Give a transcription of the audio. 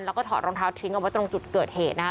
แล้วก็ถอดรองเท้าทิ้งเอาไว้ตรงจุดเกิดเหตุนะคะ